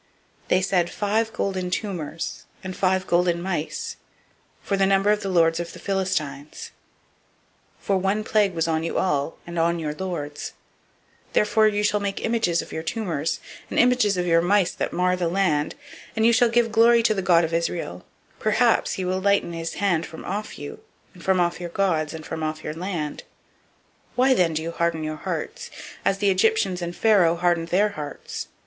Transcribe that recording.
They said, "Five golden tumors, and five golden mice, [according to] the number of the lords of the Philistines; for one plague was on you all, and on your lords. 006:005 Therefore you shall make images of your tumors, and images of your mice that mar the land; and you shall give glory to the God of Israel: peradventure he will lighten his hand from off you, and from off your gods, and from off your land. 006:006 Why then do you harden your hearts, as the Egyptians and Pharaoh hardened their hearts?